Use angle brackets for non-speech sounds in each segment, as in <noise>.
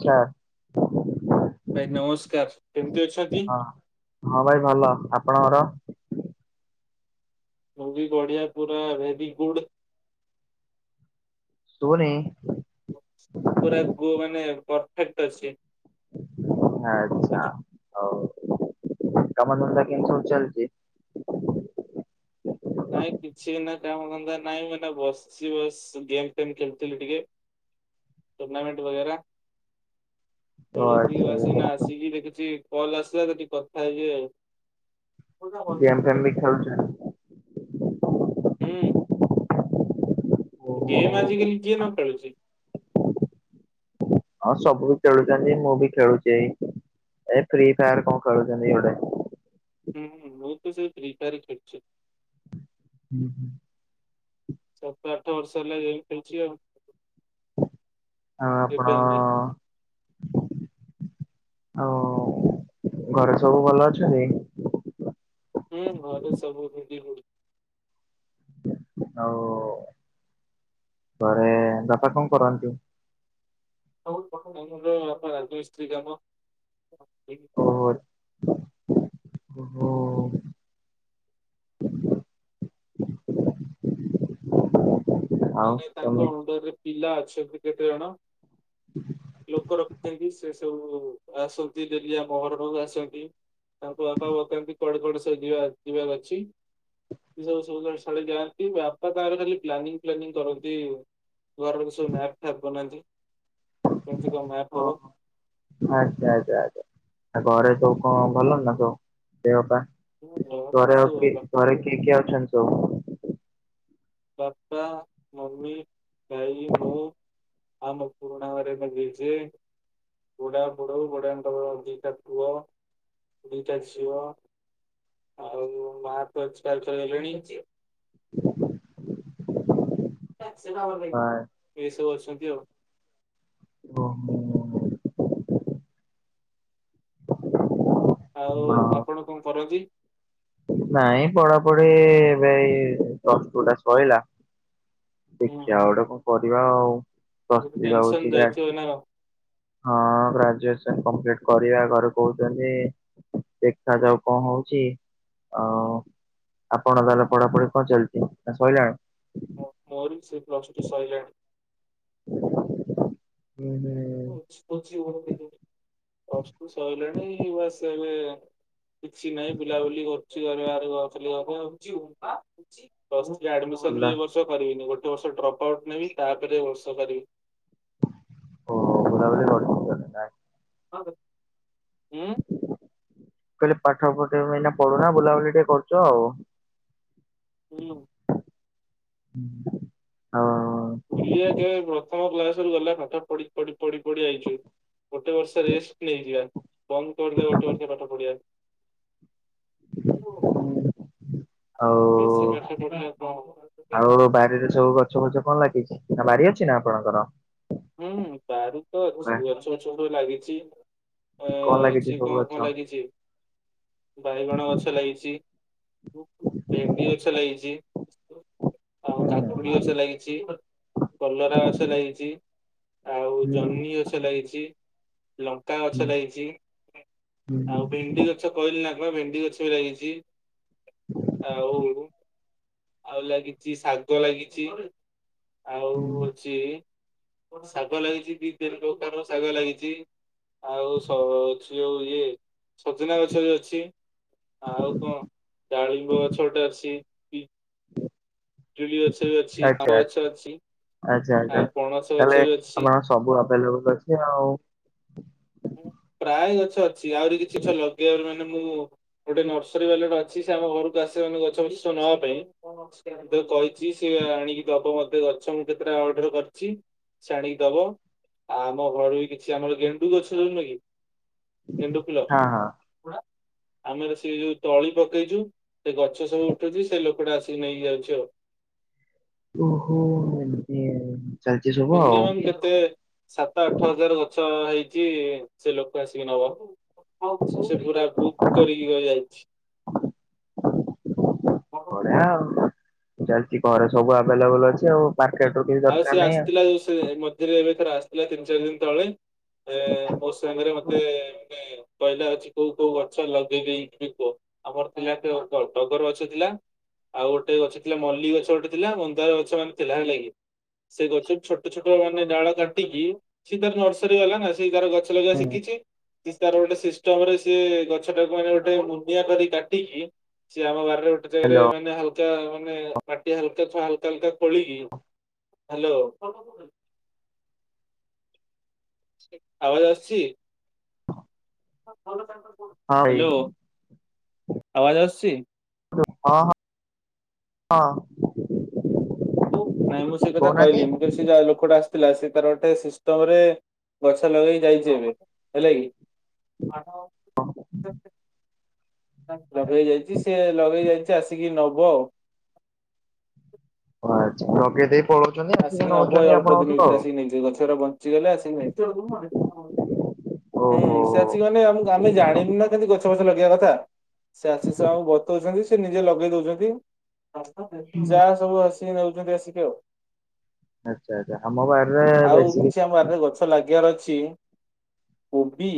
ଆଛା। ଭାଇ ନମସ୍କାର। କେମିତି ଅଛନ୍ତି? ହଁ ହଁ ଭାଇ ଭଲ ଆପଣଙ୍କର? ମୁ ବି ବଢିଆ ପୁରା ଭେରି ଗୁଡ। ଶୁବୁନି। ମୁଁ ପୁରା ଗୁଅ ମାନେ ପର୍ଫେକ୍ଟ ଅଛି। ଆଛା ହାଉ। କାମଧନ୍ଦା କେମିତି ସବୁ ଚାଲିଛି? ନାଇଁ କିଛି ନା କାମ ଧନ୍ଦା ନାଇଁ ମୁଁ ନାବସଛି ବସ ଗେମ୍ ଫେମ୍ ଖେଳୁଥିଲି ଟିକେ। ଟୁର୍ନାମେଣ୍ଟ ବଗେରା ଓ ଖେଳୁଥିଲି ଆଚ୍ଛା ବସିକିନା ଆସିକି ଦେଖୁଛି କଲ୍ ଆସିଲା ତ ଟିକେ କଥା ହେଇଯିବି ଆଉ। ହୁଁ ଗେମ୍ ଫେମ୍ ବି ଖେଳୁଛ? ହୁଁ। ଓହୋ। ଗେମ ଆଜିିକାଲି କିଏ ନ ଖେଳୁଛି? ହଁ ସବୁ ଖେଳୁଛନ୍ତି ମୁଁ ବି ଖେଳୁଛି। ଏ ଫ୍ରି ଫାୟାର କଣ ଖେଳୁଛନ୍ତି ଗୋଟେ। ହୁଁ ହୁଁ ମୁଁ ତ ସେ ପ୍ରିପେୟାର ଖେଳୁଛି। ହୁଁ ହୁଁ। ସାତ ଆଠ ବର୍ଷ ହେଲା ହେଲାଣି ଖେଳୁଛି ଆଉ। ଆଉ ଏବେ ଆପଣ ନୁହେଁ ଆଉ ଘରେ ସବୁ ଭଲ ଅଛନ୍ତି? ହୁଁ ଘର ସବୁ <inaudible> ଆଉ ଘରେ ବାପା କଣ କରନ୍ତି? <unintelligible> ରାଜମିସ୍ତ୍ରୀ କାମ। ଓହୋ <inaudible> ଓହୋ। <unintelligible> ଆଉ ମାନେ ତାଙ୍କ ତମେ ଅଣ୍ଡରରେ ପିଲା ଅଛନ୍ତି କେତେଜଣ? ଲୋକ ରଖିଛନ୍ତି ସେଷ ଆସନ୍ତି ଡେଲି ଆମ ଘର ପାଖକୁ ଆସନ୍ତି। ତାଙ୍କ ବାପା ବତାନ୍ତି କୁଆଡେ କୁଆଡେ ସବୁ ଯିବା ଯିବାର ଅଛି? ସାଢେ ଯାନ୍ତି ଵାପା ତାଙ୍କର ଖାଲି ପ୍ଲାନିଂ ପ୍ଲାନିଂ କରନ୍ତି ଘର ର ସବୁ ମ୍ୟାପ୍ ଫ୍ୟାପ୍ ବନାନ୍ତି। କେମିତି କଣ ମ୍ୟାପ୍ ଓ ହବ। ଆଚ୍ଛା ଆଚ୍ଛା ଆଚ୍ଛା। ଆଉ ଘରେ ତବ କଣ ଭଲ ନା ତ ଦେହ ପା ଘରେ ଆଉ ସବୁ କିଏ ଭଲ ଘରେ କିଏ କିଏ ଅଛନ୍ତି ସବୁ? ବାପା ମମି ଭାଇ ମୁଁ। ଆମ ପୁୁରଣା ଘରେ ବା ଜେଜେ ବୁଢା <unintelligible> ଦିଟା ପୁଅ ଦିଟା ଝିଅ। ଆଉ ମା ତ ଏକ୍ସପାୟର୍ କରି ଗଲେଣି। <unintelligible> ହଁ ଏଇ ସବୁ ଅଛନ୍ତି ଆଉ। ଓହୋ। ଆଉ ହଁ ଆପଣ କଣ କରନ୍ତି? ନାଇଁ ପଢାପଢି ଏବେ ଏହି ପ୍ଲସ୍ଟୁ ଟା ସରିଲା। ହୁଁ ଦେଖିବା ଆଉ ଗୋଟେ କଣ କରିବା ଆଉ ଗୋଟେ ପ୍ଲସଥ୍ରୀ ଟେନସନ ଭାବୁଛି ଯାଇଥିବ <unintelligible> ନା କଣ? ହଁ ଗ୍ରାଜୁଏସନ କମ୍ପ୍ଲିଟ କରିବା ଘରେ କହୁଛନ୍ତି ଦେଖାଯାଉ କଣ ହଉ ହଉଛି ଆଉ? ଆପଣ ତାହେଲେ ପଢାପଢି କଣ ଚାଲିଛି ନା ସରିଲାନି? ମୋର ବି ସେ ପ୍ଲସଟୁ ସଇଲାଣି। ହୁଁ <unintelligible> ହୁଁ ପ୍ଲସ୍ଟୁ ସରିଲାଣି ବାସ ଏବେ କିଛି ନାହିଁ ବୁଲାବୁଲି କରୁ। <unintelligible> ପ୍ଲସ୍ ଥ୍ରୀ ଆଡ଼ମିସନ ବି ବୁଲା ଏ ବର୍ଷ କରିବିନି ଗୋଟେ ବର୍ଷେ ଡ୍ରପ୍ ଆଉଟ୍ ନେବି ତାପରେ ବର୍ଷ କରିବି। ଓ <unintelligible> <unintelligible> କହିଲେ ପାଠ ପଠ ଏନା ପଢୁନା ବୁଲାବୁଲି ଟିକେ କରୁଛ ଆଉ। ହୁଁ। <unintelligible> ହଁ ବୁଲିବା କେବେ <unintelligible> ଗଲା ପାଠ ପଢି ପଢି ପଢି ପଢି ଆଇଛୁ ଗୋଟେ ବର୍ଷ ରେଷ୍ଟ ନେଇଯିବା। <unintelligible> ପାଠ ପଢିଆ। ହୁଁ। ବେଶୀ ଆଉ ପାଠ ପଢିଲେ କଣ ଆଉ ବାରିରେ ହବ? ସବୁ ଗଛବୁଛ କଣ ଲାଗିଛି? ନା ବାରି ଅଛି ନା ଆପଣଙ୍କର? ହୁଁ ବାରି ତ ଅଛି ଗଛ ବୁଛ ସବୁ ଲାଗିଛି। ଅ କଣ ଲାଗିଛି ଅଛି ସବୁ କଣ ଗଛ? କଣ ଲାଗିଛି? ବାଇଗଣ ଗଛ ଲାଗିଛି। ଭେନ୍ଡି ଗଛ ଲାଗିଛି। ଆଉ କାକୁଡି ଗଛ ଲାଗିଛି କଲରା ଗଛ ଲାଗିଛି। ଆଉ ହୁଁ ଜହ୍ନଇ ଗଛ ଲାଗିଚି। ଲଙ୍କା ହୁଁ ଗଛ ଲାଗିଚି, ହୁଁ ଆଉ ଭେଣ୍ଡି ଗଛ କହିଲି ନା <unintelligible> ଭେଣ୍ଡି ଗଛ ବି ଲାଗିଚି ଆଉ ଆଉ ଲାଗିଚି ଶାଗ ଲାଗିଚି ଆଉ ହୁଁ ହୋଉଚି ଶାଗ ଲାଗିଚି ଦି ତିନି ପ୍ରକାର ର ଶାଗ ଲାଗିଚି। ଆଉ ସ ଯୋଉ ଇଏ ସଜନା ଗଛ ବି ଅଛି। ଆଉ କଣ ଡାଳିମ୍ବ ଗଛଗୋଟେ ଅଛି। ପିଜୁଳି ଗଛ ବି ଅଛି, ଆମ୍ବ ଗଛ ଅଛି। <unintelligible> ଆଉ ପଣସ ଗଛ ତାହଲେ ବି ଅଛି। <unintelligible> ସବୁ ଆଭେଲେବଲ ଅଛି ଆଉ। <inaudible> ପ୍ରାୟ ଗଛ ଅଛି ଆହୁରି କିଛି ଗଛ ଲଗେଇବାରେ ମାନେ ମୁଁ ଗୋଟେ ନର୍ସରୀ ବାଲାଟେ ଅଛି ସେ ଆମ ଘରକୁ ଆସି <unintelligible> ନବା ପାଇଁଁ କହିଛି ସିଏ ଆଣିକି ଦବ ଗଛ ମୁଁ କେତେଟା ଅର୍ଡର କରିଥିଲି ସେ ଆଣିକି ଦବ। ଆମ ଘର ବି କିଛି ଆମର ଗେଣ୍ଡୁ ଗଛ <unintelligible> ଗଣ୍ଡୁ ଫୁଲ ହଁ ହଁ। ଆମର ସେ ଯୋଉ ତଳି ପକେଇଚୁ ସେ ଗଛ ସବୁ ଉଠୁଚି ସେ ଲୋକଟା ଆସିକି ନେଇ ଯାଉଚି ଆଉ। ଓହୋ <unintelligible> ଆଉ ମିନିମ କେତେ ସାତ ଆଠ ହଜାର ଗଛ ହେଇ <unintelligible> ସେ ଲୋକ ଆସିକି ନବ। ସେ ପୁରା ବୁକ୍ କରିକି ଯାଇଚି। ବଢିଆ ଆଉ ଚାଲିଚି ଘରେ ସବୁ ଆଭେଲେବୁଲ ଅଛି। ଆଉ ମାର୍କେଟ ରୁ କିଛି ଆଉ ଦରକାର ସେ ନାହିଁ ଆସିଥିଲା ଯୋଉ ସେ ମଝିରେ ଏବେ ଥରେ ଆସିଥିଲା ତିନି ଚାର ଦିନ ତଳେ। ଏ ମୋ ସାଙ୍ଗରେ ମତେ କହଲା ମାନେ ଅଛି କୋଉ କୋଉ ଗଛ ଲଗେଇ <unintelligible> କୁହ? ଆମର ଥିଲା <unintelligible> ଟଗର୍ ଗଛ ଥିଲା। ଆଉ ଗୋଟେ ଗଛ ଥିଲା ମଲ୍ଲ ଗଛ ଗୋଟେ ଥିଲା ମନ୍ଦାର ଗଛ ମାନେ ଥିଲା ହେଲା କି। ସେ ଗଛ ଛୋଟ ଛୋଟ ମାନେ ଡାଳ କାଟିକି ସେ ତାର ନର୍ସରୀ ବାଲା ନା ସେ ତାର ଗଛ ଲଗେଇବା ହ୍ୟାଲୋ ଶିଖିଚି। ତାର ଗୋଟେ ସିଷ୍ଟମ ରେ ସିଏ ଗଛ ଟାକୁ ମାନେ ଗୋଟେ ମୁନିଆ କରି କାଟିକି <unintelligible> ଗୋଟେ ଜାଗାରେ ମାନେ ହାଲକା ମାନେ ମାଟି ହାଲ୍କା ହାଲ୍କା ହାଲ୍କା ଖୋଳିକି ହାଲୋ। ଆବାଜ ଆସୁଚି। ହ। ହଁ ଭାଇ। ଆବାଜ ଆସୁଚି? ହଁ ହଁ। ନାଇଁ ମୁଁ ସେଇ କଥା କହୁନାହାନ୍ତି। କହିଲି ମୁଁ <unintelligible> ଲୋକଟା ଆସିି ଥିଲା ସେ ତାର ଗୋଟେ ସିଷ୍ଟମରେ ଗଛ ଲଗେଇ ଯାଇଚି ଏବେ ହେଲା କି। ଆମ ଲଗେଇ ଯାଇଚି ସିଏ ଲଗେଇ ଯାଇଚି ଆସିକି ନବ ଆଉ। ଆଚ୍ଛା <unintelligible> ଆସିକି ନବ ଏ ନଉଛନ୍ତି ଅଳ୍ପ ଆପଣଙ୍କଠୁ ଦିନ ଭିତରେ ଆଉ। ଆସିକି ନେଇଯିବ ଗଛଟା ବଞ୍ଚିଗଲେ ଆସିକି ନେଇ <unintelligible> ଓହୋ ହୁଁ ସେ ଅଛି ମାନେ <unintelligible> ଆମେ ଜାଣିନୁ ନା କେମତି ଲଗେଇବା କଥା ସେ ଆସି <unintelligible> ବତଉଛନ୍ତି ସେ ନିଜେ ଲଗେଇ ଦଉଛନ୍ତି। ଯାହା ସବୁ ଆସିକି ନେଉଛନ୍ତି ଆସିକି ଆ ଆଚ୍ଛା ଆଚ୍ଛା ଆମ ବାରିରେ ଆଉ ବେଶୀ କିଛି ଆମ ବାର୍ ରେ ଗଛ ଲାଗିବାର ଅଛି। <unintelligible> କୋବି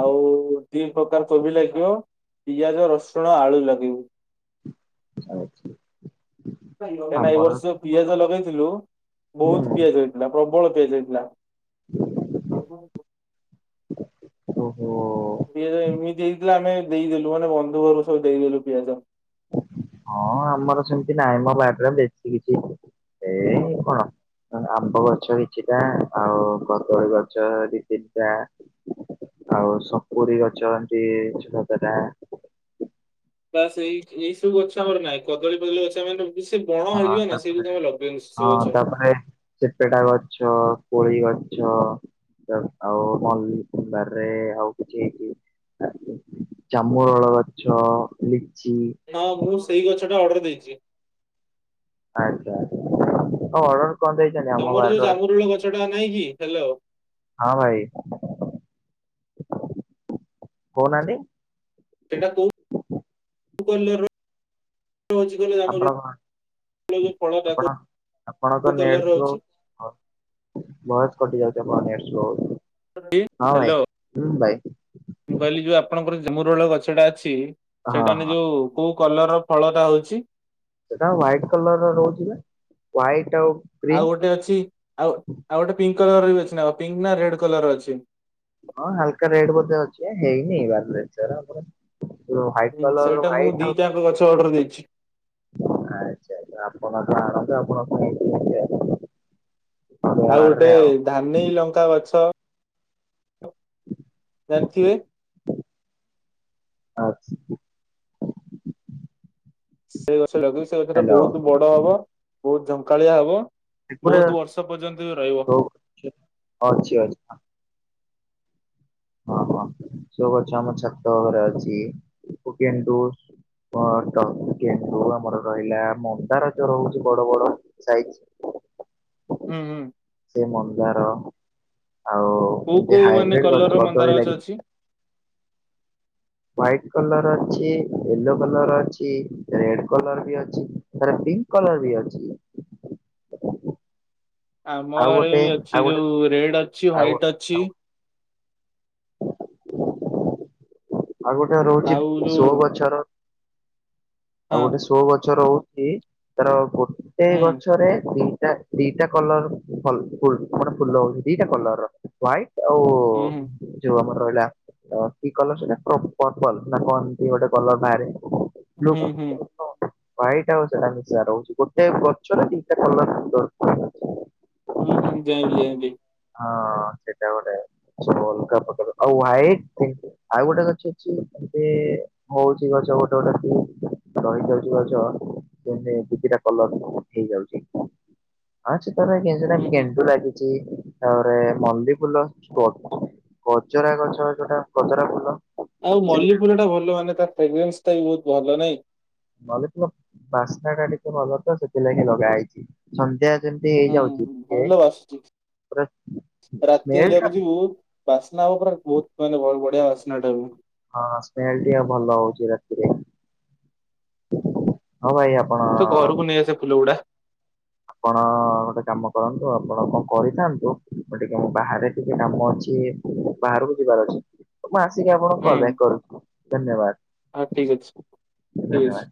ଆଉ ଦି ପ୍ରକାର କୋବି ଲାଗିବ, ପିଆଜ ରସୁଣ ଆଳୁ ଲାଗିବ। ଆଚ୍ଛା। ଏ ବର୍ଷ ପିଆଜ ଲଗେଇଥିଲୁ ବୋହୁତ ପିଆଜ ହେଇଥିଲା ପ୍ରବଳ ପିଆଜ ହେଇଥିଲା। <inaudible> ଓ ହୋ। ପିଆଜ ଏମିତି ହେଇଥିଲା ଆମେ ଦେଇଦେଲୁ। ମାନେ ବନ୍ଧୁଘରକୁ ସବୁ ଦେଇଦେଲୁ ପିଆଜ। ହଁ ଆମର ସେମିତି ନାହିଁ ମ ବାର୍ରେ ବେଶୀ କିଛି। ଏଇ କଣ? ଆମ୍ବ ଗଛ କିଛିଟା ଆଉ କଦଳୀ ଗଛ ଦି ତିନ୍ଟା। ଆଉ ସପୁରୀ ଗଛ ଏମିତି ଛଅ ସାତଟା। ବାସ୍ ଏଇ ଏଇ ସବୁ ଗଛ ଆମର ନାହିଁ। କଦଳୀ ଫଦଳୀ ଗଛ <unintelligible> ହଁ ହେଇଯିବ ନା ସେଇଠୁ ତାପରେ ତମେ ଲଗେଇନୁ ସେ ହଁ ସବୁ ଗଛ। ତାପରେ ସେତେଟା ଗଛ କୋଳି ଗଛ ଆଉ ମଲ୍ଲିବାରରେ ଆଉ କିଛି ହେଇଛି। ଚାମୁଅଳ ଗଛ ଲିକ୍ ହଁ ମୁଁ ସେଇ ଗଛ ଟା ଅର୍ଡର ଦେଇଛି। ଆଚ୍ଛା ହୋଉ ଅର୍ଡର କଣ ଦେଇଛନ୍ତି ଆମ ତମର ବାରିରୁ ଯୋଉ ଜାମୁ ରୁଳ ଗଛ ଟା ନାଇଁ କି। ହାଲୋ। ହଁ ଭାଇ। କହୁନାହାନ୍ତି। ସେଟା କୋଉ କଲର ର ରହୁଛି କହିଲ ଜାମୁ ଆପଣ କଣ କୋଳି। ଯୋଉ ଆପଣ ଆପଣଙ୍କ ଫଳଟାକୁ କଲର ର ଅଛି। ଭଏସ୍ କଟି ଯାଉଛି ଆପଣଙ୍କ ନେଟ୍ ସ୍ଲୋ। ହଁ ଭାଇ ହ୍ୟାଲୋ। ହୁଁ ଭାଇ ମୁଁ କହିଲି ଯୋଉ ଆପଣଙ୍କର ଜାମୁ ରଳ ଗଛ ଟା ଅଛି। ହଁ ସେଇଟାେ ହଁ ଯୋଉ କୋଉ କଲର ଫଳଟା ହଉଛି। ସେଟା ହ୍ୱାଇଟ୍ କଲର ରହୁଛି ନା। ହ୍ଵାଇଟ୍ ଆଉ ଗୋଟେ ଅଛି ଆଉ ଆଉ ଗୋଟେ ପିଙ୍କ୍ କଲର ବି ଅଛି। ନା ପିଙ୍କ୍ ନା ରେଡ୍ କଲର ର ଅଛି। ହଁ ହାଲକା ରେଡ୍ ବୋଧେ ଅଛି। ହେଇନି ବାର ଲେଚର। ହ୍ୱାଇଟ୍ ହୁଁ କଲର ସେଇଟା ମୁଁ ହ୍ୱାଇଟ୍ ଆଉ ଦିଟାଙ୍କ ଗଛ ଅର୍ଡର ଦେଇଛି। ଆଚ୍ଛା ଆଚ୍ଛା ଆପଣ ଆ ଆ ଆପଣ <unintelligible> ଆଉ ଗୋଟେ ଧାନେଇ ଲଙ୍କା ଗଛ। ଜାଣିଥିବେ। ଆଚଛା। ସେ ଗଛ ଲଗି ସେ ଗଛ ଟା ବହୁତ ବଡ ହବ। ବହୁତ ଝଙ୍କାଳିଆ ହବ। ତ୍ରିପୁରା ବହୁତ ବର୍ଷ ପର୍ଯ୍ୟନ୍ତ ରହିବ। ସୋ ଗଛ ଅଛି ଓ ହୋ ସବୁ ଗଛ ଆମ ଛାତରେ ଅଛି। ଗେଣ୍ଡୁ ବଟ ଗେଣ୍ଡୁ ଆମର ରହିଲା। ମନ୍ଦାର ଯୋଉ ରହୁଛି ବଡ ବଡ ସାଇଜ୍। <inaudible> ହୁଁ ହୁଁ। ସେ ମନ୍ଦାର ଆଉ କୋଉ ଏମତି କୋଉ ମାନେ ହାଇବ୍ରିଡ କଲର ଗଛ ର ମନ୍ଦାର କଦଳୀ ଗଛ ଲାଗି ଅଛି? ହ୍ଵାଇଟ୍ କଲର ଅଛି। ୟେଲୋ କଲର ଅଛି। ରେଡ୍ କଲର ବି ଅଛି। ପିଙ୍କ୍ କଲର ବି ଅଛି। ଆମ ଆଉ ଘରେ ଗୋଟେ ବି ଆଉ ଅଛି। ଗୋଟେ ଯୋଉ ରେଡ୍ ଅଛି ଆଉ ହ୍ଵାଇଟ୍ ଅଛି। ଆଉ ଆଉ ଗୋଟେ ରହୁଛି ଆଉ ସୋ ଯୋଉ ଗଛର। ଆଉ ହଁ ଗୋଟେ ସୋ ଗଛ ରହୁଛି। ତାର ଗୋଟେ ହୁଁ ଗଛରେ ତିନ୍ ଟ ଦିଟା କଲର ଫଲ୍ ଗୋଟେ ଫୁଲ ହଉଛି। ଦିଟା କଲର ହାଇଟ୍ ଆଉ ହୁଁ। ମର ରହିଲା କି କଲର ସେଇଟା ପ୍ର ପର୍ପଲ ନା କନ୍ତି ଗୋଟେ କଲର ବାହାରେ। ହୁଁ ହୁଁ। ହ୍ୱାଇଟ୍ ଆଉ ସେଇଟା ମିଶା ରହୁଛି। ଗୋଟେ ଗଛରେ ଦିଟା କଲର ସୁନ୍ଦର <unintelligible> ହୁଁ ହୁଁ ଜାଇଁଲି ଜାଇଁଲି। ହଁ ସେଇଟା ଗୋଟେ ଚୋଲ୍। <unintelligible> ଆଉ ହାଇଟ୍ ଆଉ ଗୋଟେ ଗଛ ଅଛି। ଏ ହଉଛି ଗଛ ଗୋଟେ ଗୋଟେ ରହିଯାଉଛି ଗଛ ଦୁ ଦିଟା କଲର ହେଇଯାଉଛି। ଆଛ୍ ରେ କିଛି ହୁଁ ନାହିଁ ହୁଁ ଗେଣ୍ଡୁ ଲାଗିଛି। ତାପରେ ମଲି ଫୁଲ ଷ୍ଟୋର। କଜରା ଗଛ ଯୋଉଟା କଚରା ଫୁଲ ଆଉ ମଲ୍ଲି ସେଟା ଫୁଲ ଟା ଭଲ ମାନେ ତାର ଫ୍ରୋଗ୍ରେନ୍ସ ଟା ବି ବହୁତ ଭଲ ନା ନହଲେ ତ ବାସ୍ତା ଟା ଟିକେ ଭଲ ତ ସେଥିଲାଗି ଲଗା ହେଇଛି ସନ୍ଧ୍ୟା ଯେମତି ହେଇଯାଉଚି ସେ ରାତିିବାକୁ ଯିବୁ ବାସ୍ନା ହବ ପୁରା ବୋହୁତ ମାନେ ବଢିଆ ବାସ୍ ଟାକୁ ହଁ ସ୍ମେଲ ଟ ଭଲ ହୋଉଚି ରାତିରେ। ହଁ ଭାଇ ମୁଁ ତ ଆପଣ ଘରକୁ ନେଇ ଆସ ଫୁଲ ଗୁଡା। ଆପଣ ଗୋଟେ କାମ କରନ୍ତୁ ଆପଣ କଣ କହିଥାନ୍ତୁ ବାହାରେ ଟିକେ କାମ ଅଛି। ବାହାରକୁ ଯିବାର ଅଛି, ମୁଁ ଆସିକି ଆପଣଙ୍କୁ ହୁଁ କଲ ବକ୍ କରୁଛି ଧନ୍ୟବାଦ। ହଁ ଠିକ ଅଛି ଠିକ ଧନ୍ୟବାଦ। ଅଛି।